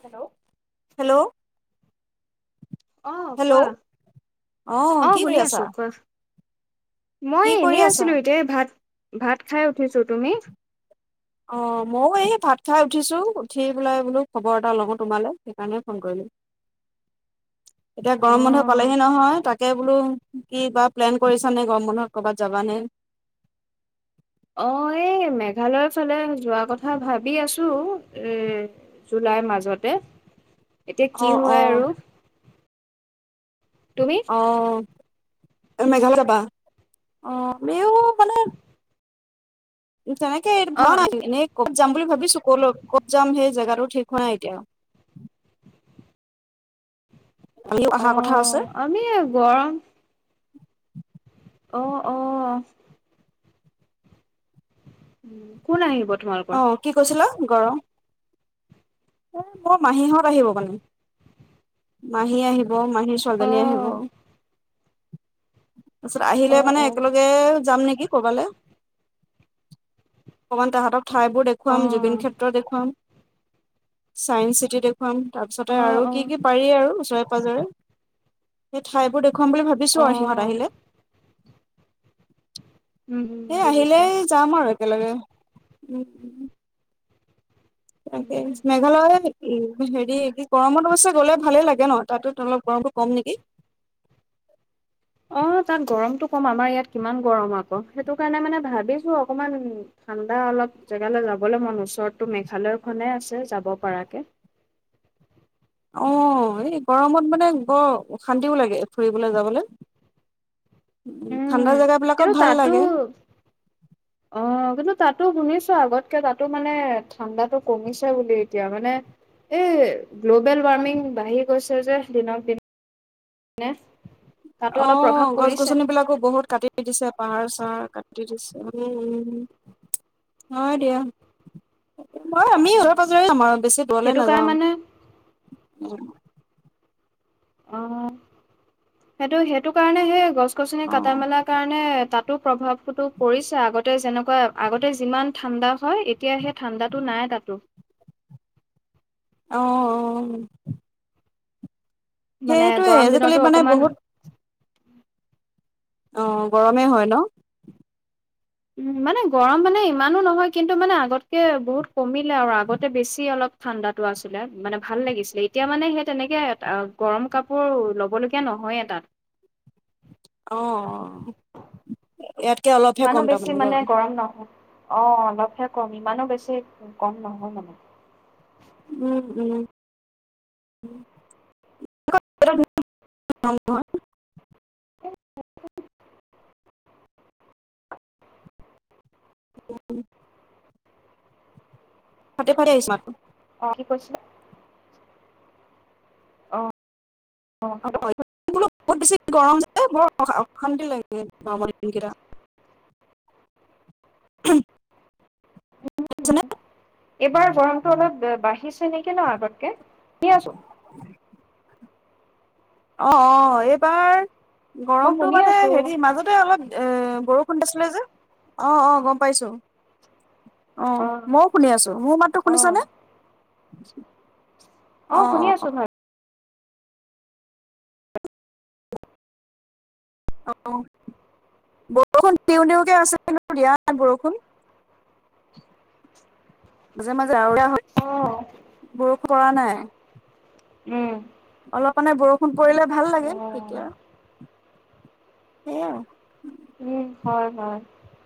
Hello hello অহ hello কোৱা অ অহ কি কৰি শুনি আছা আছো কোৱা। মই কি কৰি এনেই আছা আছিলো এতিয়া ভাত ভাত খাই উঠিছো, তুমি? অ'! মইয়ো এই ভাত খায় উঠিছোঁ। উঠি পেলাই বোলো, খবৰ এটা লওঁ তোমালৈ সেইকাৰণে ফোন কৰিলোঁ। এতিয়া অ গৰম বন্ধ পালেহি নহয়। তাক তাকে বোলো কি বা প্লেন কৰি ছা নে গৰম বন্ধত কৰ'বাত যাবা নে? অ এই মেঘালয়ৰ ফালে যোৱা কথা ভাবি আছো এ জুলাই তাৰ মাজতে [inaudible] এতিয়া কি অ হয় আৰু? তুমি অহ মেঘালয় যাবা? অ মে অ মানত তেনেকে অ ভৰা নাই দেখোন এনেকে কত যাম বুলি ভাবিছো ক'লৈ কত যাম সেই জেগাটো ঠিক হোৱা নাই এতিয়া। আমিও অ অহা কথা আছে আমি গৰম অ অ। উম কোন আহিব? তোমালোকৰ অ কি কৈছিলা গৰম এ মোৰ মাহীহঁত আহিব মানে মাহী আহিব মাহী অ চজনী আহিব। তাৰপিছত অ আহিলে মানে অ একেলগে যাম নেকি কৰবালৈ। অকমান তাহতৰ ঠাই বোৰ অ দেখুৱাম জুবিন ক্ষেত্ৰ দেখুৱাম। চাইন্স চিটি দেখুৱাম তাৰ অ পিছতে আৰু অ কি-কি পাৰি আৰু ওচৰে [unintelligible] সেই ঠাইবোৰ দেখুৱাম বুলি অ ভাবিছো আৰু সিহঁত আহিলে। উম সেই বুজিছো আহিলেই যাম আৰু একেলগে, উম-উম। তেনেকে উম মেঘালয় হেৰি কি গৰমত অৱশ্যে গ'লে ভালে লাগে ন, তাতটো অলপ গৰমটো কম নেকি। [inaudible] অ' তাত গৰমতটো কম আমাৰ ইয়াত কিমান গৰম আকৌ সেইটো কাৰণে মানে ভাবিছো অকমান [unintelligible] অলপ জেগালে যাবলে মন ওচৰতো মেঘালয়খনে আছে যাব পাৰাকে। [inaudible] অ' এই গৰমত মানে বৰ অশান্তিও লাগে ফুৰিবলে যাবলে। উম কিন্তু তাতো, অহ কিন্ত তাতো শুনিছো আগতকে তাতো মানে ঠাণ্ডাটো কমিছে বুলি এতিয়া মানে এ গ্ল'বেল ৱাৰ্মিং বাঢ়ি গৈছে যে দিনক দিন নে। অ' গছ গছনি বিলাকো বহুত কাটি দিছে পাহাৰ চাহাৰ কাটি দিছে, উম- উম্। হয় দিয়া। মই আমি ওচৰে পাজৰেই যাম আৰু বেছি দূৰলে সেইটো কাৰণে নাযাওঁ। মানে অ' সেইটো সেইটো কাৰণে সেই গছ গছনি কাটা অ', মেলা কাৰণে তাত টো প্ৰভাৱতো পৰিছে আগতে যেনেকুৱা আগতে যিমান ঠাণ্ডা হয় এতিয়া সেই ঠাণ্ডাটো নাই। তাতো। অ'-অ'। মানে সেইটোয়ে গৰম আজিকালি দিনতো মানে অকমান বহুত অ', গৰমেই হয় ন। উম মানে গৰম মানে ইমানো নহয় কিন্তু মানে আগতকে বহুত কমিলে আৰু আগতে বেছি অলপ ঠাণ্ডাটো আছিলে মানে ভাল লাগিছিলে এতিয়া মানে সেই তেনেকে গৰম কাপোৰ ল'বলগীয়া নহয়ে তাত। অ' ইয়াতকে অলপহে ইমানো কম বেছি তাৰমানে মানে গৰম। নহয় অ' অলপহে কম ইমানো বেছি কম নহয় মানে। উম উম- উম। [unintelligible] উম- উম। ফাটি - ফাটি আহিছে মাতটো। অ', কি কৈছিলা। অ'-অ' হেল'। এ বৰ অশান্তি লাগে গৰমৰ দিনকেইটা। [unintelligible] এইবাৰ গৰমটো অলপ বাঢ়িছে নেকি ন আগতকে, দি আছো। অ'- অ' এইবাৰ মই গৰমটো শুনি মানে আছো হেৰি মাজতে অলপ এ। বৰষুণতে আছিলে যে অ' অ' গম পাইছো। অ' মইও শুনি আছো মোৰ মাতটো অ শুনিছ নে। অ', শুনি আছো হয়। অ'। বৰষুণ দিওঁ দিওকে আছে কিন্ত দিয়া নাই বৰষুণ। মাজে-মাজে [unintelligible] হয় অ বৰষুণ পৰা নাই। উম। অলপ মানে বৰষুণ পৰিলে ভাল অ লাগে সেইটো আৰু। সেইয়া উম হয় হয়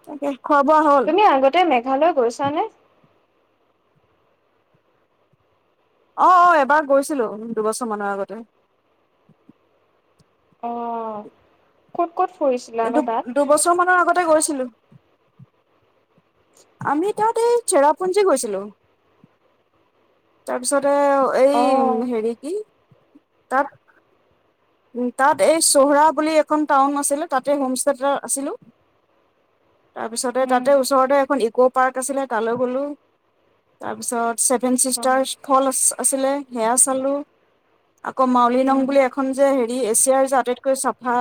তাকে খোৱাবোৱা হ'ল ঘৰলৈলৈ গৈছ নে অ অ এবাৰ গৈছিলোঁ দুবছৰ মানৰ আগতে অহ দুবছৰমানৰ আগতে গৈছিলোঁ আমি তাত এই চেৰাপুঞ্জী গৈছিলো তাৰপিছত অ এই হেৰি কি তাত। তাত এই চোহৰা বুলি এখন টাউন আছিলে তাতে হোম ষ্টে এটা আছিলো তাৰপিছতে উম তাতে ওচৰতে এখন ইক' পাৰ্ক আছিলে তালৈ গলো তাৰপিছত চেভেন অ চিষ্টাৰ ফল আছিলে সেয়া চালো আকৌ মাউলি নং উম বুলি এখন যে হেৰি এছিয়াৰ যে আটাইতকৈ চাফা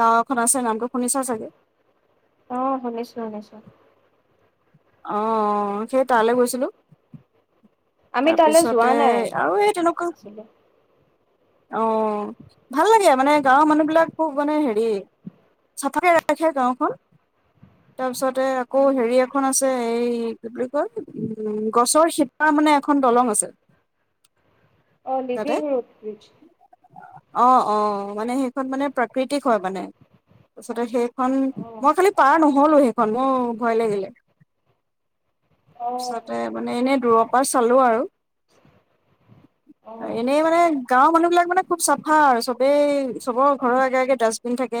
গাওঁ এখন আছে নামটো শুনিছা চাগে অ শুনিছো শুনিছো অ সেই তালৈ গৈছিলো আমি তালৈ যোৱা তাৰপিছতে নাই আৰু এই তেনেকুৱা আছিলে অ ভাল লাগে মানে গাঁৱৰ মানুহ বিলাক খুব মানে হেৰি চাফাকে ৰাখে গাওঁখন তাৰপিছতে আকৌ উম হেৰি আকৌ এখন আছে এই কি বুলি কয় উম গছৰ সীতা মানে এখন দলং আছে [unintelligible] অ তাতে। লিভিং ৰিজ অ অ মানে সেইখন মানে প্ৰাকৃতিক হয় মানে তাৰপিছতে সেই খন অ মই খালি পাৰ নহ'লো সেইখন মোৰ ভয় লাগিলে। অ তাৰপিছতে মানে এনেই দূৰৰ পৰা চালো আৰু। অ এনেই মানে গাঁওৰ মানুহ বিলাক মানে খুব চাফা আৰু চবেই চবৰ ঘৰৰ আগে আগে ডাষ্টবিন থাকে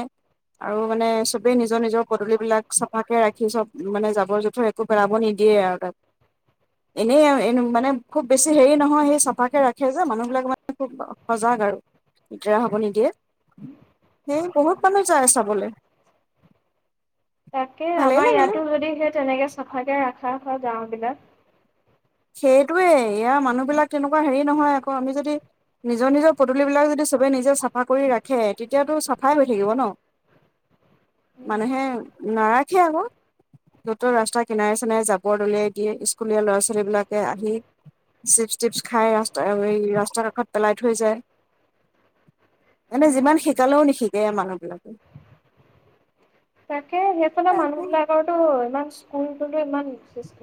আৰু মানে চবে নিজৰ নিজৰ পদূলা বিলাক চাফাকে ৰাখি চব মানে জাবৰ জোথৰ একো পেলাব নিদিয়ে আৰু তাক এনেই এ মানে খুব বেছি হেৰি নহয় সেই চাফাকে ৰাখে যে মানুহ বিলাক মানে খুব সজাগ আৰু লেতেৰা হ'ব নিদিয়ে সেই বহুত উম মানুহ যায় চাবলৈ [unintelligible] তাকে ভালেই আমাৰ লাগিলে ইয়াতো যদি সেই তেনেকে চাফাকে ৰখা হয় গাওঁ বিলাক সেইটোৱে ইয়াৰ মানুহবিলাক তেনেকুৱা হেৰি নহয় আকৌ আমি যদি নিজৰ নিজৰ পদূলিবিলাক যদি সবে নিজে চাফা কৰি ৰাখে তেতিয়াতো চাফাই হৈ থাকিব ন মানুহে নাৰাখে আকৌ যতো ৰাস্তা কিনাৰে চিনাৰে জাবৰ দলিয়াই দিয়ে স্কুলীয়া ল'ৰা ছোৱালী বিলাক আহি চিপ চিপছ খাই ৰাস্তা এই ৰাস্তাৰ কাষত পেলাই থৈ যায় এনে যিমান শিকালেও নিশিকে এই মানুহবিলাকে। এ সেইফালে মানুহ বিলাকৰ ইমান স্কুলো ইমান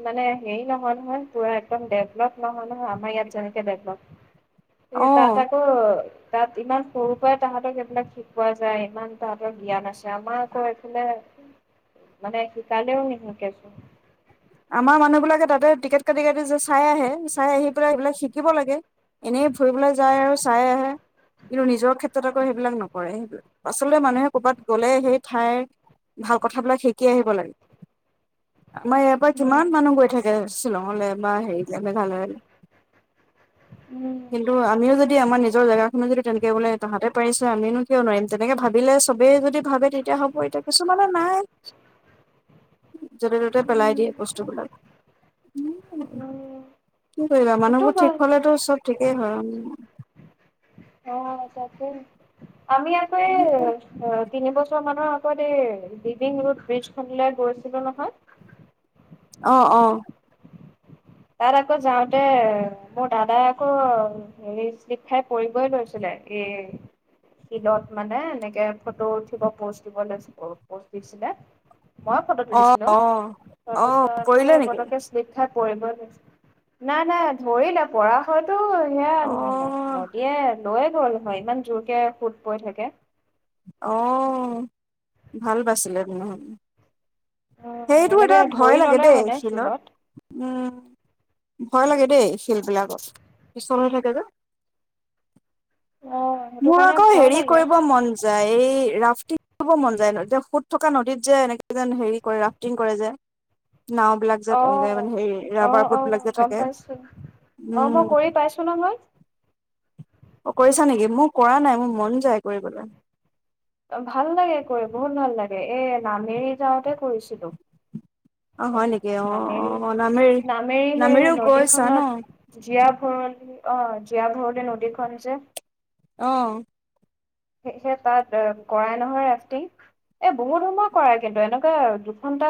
মানে হেৰি নহয় নহয় পুৰা একদম ডেভলপ নহয় নহয় আমাৰ ইয়াত যেনেকে অ [unintelligible] তাত ইমান সৰু পৰাই তাহাঁতক সেইবিলাক শিকোৱা যায় ইমান তাহাঁতৰ জ্ঞান আছে আমাৰ আকৌ এইফালে মানে শিকাল দে ন শু কেছো আমাৰ মানুহবিলাকে তাতে টিকেট কাটি কাটি যে চাই আহে চাই আহি পেলাই সেইবিলাক শিকিব লাগে এনে ফুৰিবলৈ যায় আৰু চাই আহে। কিন্তু নিজৰ ক্ষেত্ৰত আকৌ সেইবিলাক নকৰে সেইবাক পাছলৈ মানুহে কৰবাত গলে সেই ঠাইৰ ভাল কথাবিলাক শিকি আহিব লাগে আমাৰ পৰা উম কিমান মানুহ গৈ থাকে শ্বিলঙলৈ বা হেৰি মেঘালয়লৈ উম কিন্তু আমিও যদি আমাৰ নি নিজৰ জেগাখিনি যদি তেনেকে বোলে তাহাঁতে পাৰিছে আমিনো কিয় নোৱাৰিম তেনেকে ভাবিলে চবেই যদি ভাবে তেতিয়া হ'ব তে কিছুমানে নাই [inaudible] য'তে ত'তে পেলাই উম দিয়ে বস্তুবিলাক উম কি কৰিবা সেইটো মানুহবোৰ হয় ঠিক হলেতো চব ঠিক এই ধৰণ অ' তাকে, আমি আকৌ এই অ' তিন বছৰ মানৰ আগত এই লিভিং ৰোড ব্ৰিজ খনলে গৈছিলো নহয় অহ' অহ' তাত আকৌ যাওঁতে মোৰ দাদাই আকৌ হেৰি শ্লিপ খাই পৰিবই লৈছিলে এ শিলত মানে এনেকে ফটো উঠিব পষ্ট দিব লৈ পষ্ট দিছিলে মই ফটো অ', তুলিছিলো অ', তাৰ অ', পিছত পৰিলে সেই নেকি? পটকে শ্লেপ খাই [unintelligible] নাই নাই ধৰিলে পৰা হৈ টো সয়া অ', নদীয়ে লৈয়ে গ'ল হয় ইমান জোৰকে সুত বৈ থাকে অহ' ভাল বাছিলে তেনে হ'লে। উম সেইটো এটা এনেকে ভয় ধৰি লাগে ললে দেই মানে শিলত উম ভয় লাগে দেই শিলবিলাকত পিচল হৈ থাকে যে অ সেইটো মোৰ কাৰণে আকৌ ভয় হেৰি লাগে কৰিব মন যায় এই ৰাফটিং কৰিব মন যায় যে সুত থকা নদীত যে এনেকে যেন হেৰি কৰে ৰাফটিং কৰে যে নাওঁ বিলাক যে অ মানে হেৰি অ ৰাবাৰ অ ব্ৰট বিলাক যে গম থাকে। পাইছো অ মই উম। কৰি পাইছো নহয় অ কৰিছা নিকি মই কৰা নাই মোৰ মন যায় কৰিবলে ভাল লাগে কৰি বহুত ভাল লাগে এই নামেৰি যাওঁতে কৰিছিলো অ' হয় নেকি? অ', নামেৰি অ', নামেৰি নামেৰি সেই নামেৰিও গৈছা ন? নদীখনত জীয়া ভৰলি অ জীয়া ভৰলি নদীখন যে অহ সেই সেহে তাত কৰাই নহয় ৰাফটিং। এ বহুত সময় কৰাই কিন্তু এনেকুৱা দুঘন্টা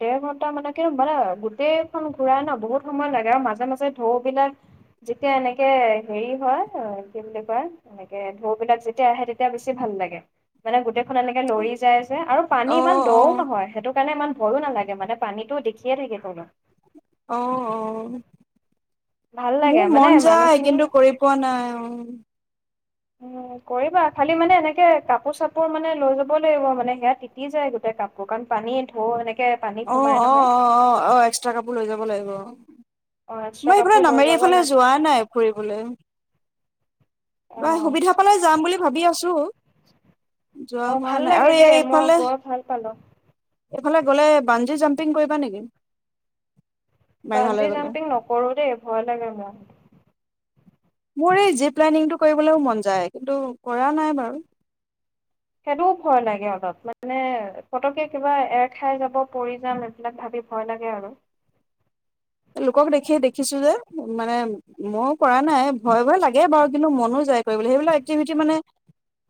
দেৰ ঘন্টা মানে কে মানে গোটেই খন ঘূৰাই ন বহুত সময় লাগে আৰু মাজে মাজে ঢৌ বিলাক যেতিয়া, এনেকে হেৰি হয় কি বুলি কয় এনেকে ঢৌবিলাক যেতিয়া যেতিয়া আহে, তেতিয়া বেছি ভাল লাগে, মানে গোটেই খন এনেকে লৰি যাই যে আৰু পানী অ ইমান দ অ ও নহয় সেইটো কাৰণে ইমান ভয়ো নালাগে মানে পানীতো দেখিয়ে থাকে তলত অ অ ভাল লাগে মোৰ মানে মন যায় মানুহখিনি কিন্তু কৰি পোৱা নাই উম উম কৰিবা খালি মানে এনেকে কাপোৰ চাপোৰ মানে লৈ যাব লাগিব মানে সেয়া তিতি যায় গোটেই গাত অকণ পানী ধৈ মানে অ অ অ অ অ একস্ট্ৰা কাপোৰ লৈ যাব লাগিব অ অ, এক্সট্ৰা মই সেফালে কাপোৰ লৈ নামেৰি যাব এইফালে লাগে যোৱা নাই ফুৰিবলৈ অ, বা সুবিধা পালে যাম বুলি ভাবি আছো যোৱা অ, হোৱা ভাল নাই লাগে আৰু এই দেই মই ইফালে গৈ ভাল পালো এইফালে গ'লে বান্জী জাম্পিং কৰিবা নেকি? মেঘালয় বান্জি গ'লে জাম্পিং নকৰোঁ দেই ভয় লাগে মোৰ। মোৰ এই জেত প্লেনিংটো কৰিবলে মন যায় কিন্তু কৰা নাই বাৰু সেইটোও ভয় লাগে আক পতমানে পতকে কিবা এৰ খাই যাব পৰি যাম এইবিলাক ভাবি ভয় লাগে আৰু [unintelligible] লোকক দেখি দেখিছো যে মানে মও কৰা নাই ভয় ভয় লাগে বাৰু কিন্তু মনো যায় কৰিবলৈ সেইবিলাক এক্টিভিটি মানে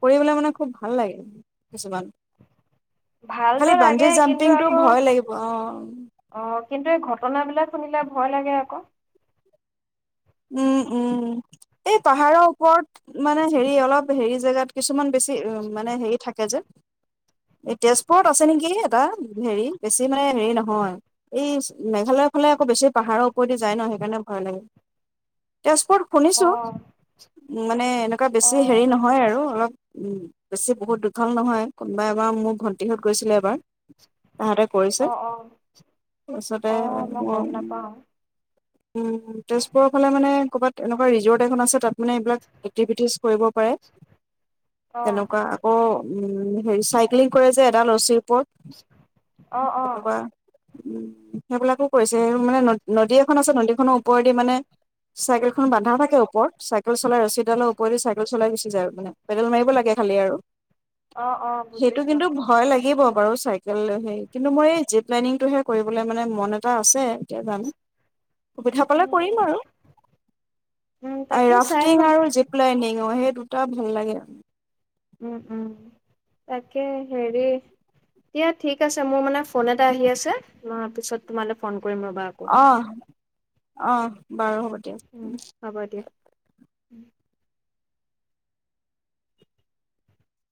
কৰিবলে মানে খুব ভাল লাগে কিছুমান ভালতো খালি বানজি লাগে কিন্তু জাম্পিংটো আকৌ ভয় লাগিব অ অ' কিন্তু এই ঘটনাবিলাক। শুনিলে ভয় লাগে আকৌ উম উম এই পাহাৰৰ ওপৰত মানে হেৰি অলপ হেৰি জেগাত কিছুমান বেছি উ মানে হেৰি থাকে যে এই তেজপুৰত আছে নেকি এটা হেৰি বেছি মানে হেৰি নহয় এই মেঘালয় ফালে আকৌ বেছি পাহাৰৰ ওপৰেদি যায় ন সেইকাৰণে ভয় লাগে তেজপুৰত অ, শুনিছোঁ মানে এনেকুৱা অ, বেছি হেৰি নহয় আৰু অলপ বেছি বহুত দীঘল নহয়, কোনোবা এবাৰ মোৰ ভণ্টিহত গৈছিলে এবাৰ তাহাতে কৰিছে অ, অ, ওচতে অ, মই গম নাপাওঁ। [unintelligible] উম, তেজপুৰৰ ফালে মানে ক'বাত এনেকুৱা ৰিজৰ্ট এখন আছে তাত মানে এইবিলাক এক্টিভিটিজ কৰিব পাৰে, অ', তেনেকুৱা আকৌ উম, হেৰি চাইক্লিং কৰে যে এডাল ৰচীৰ ওপৰত, অ', অ', তেনেকুৱা উম, সেইবিলাকো কৰিছে সেই মানে নদী এখন আছে নদীখনৰ ওপৰেদি মানে চাইকেলখন বান্ধা থাকে ওপৰত, চাইকেল চলাই ৰছীডালৰ ওপৰেদি চাইকেল চলাই গুচি যায় মানে পেডেল মাৰিব লাগে খালি আৰু। অ', অ', সেইটো বুজিছোঁ। কিন্তু ভয় লাগিব বাৰু চাইকেল হেই কিন্তু মোৰ এই জীপ লাইনিংটোহে কৰিবলে মানে মন এটা আছে। এতিয়া জানো সুবিধা পালে উম, কৰিম আৰু। উম, এই তাকে চাই লোৱা। ৰাফটিং আৰু জীপ লাইনিং। অ সেই দুটা ভাল লাগে আ। উম উম, তাকে হেৰি দিয়া ঠিক আছে মোৰ মানে ফোন এটা আহি আছে। মই পিছত তোমালে ফোন কৰিম ৰ'বা আকৌ। অ অ বাৰু হ'ব দিয়ক উম' হ'ব দিয়া উম'।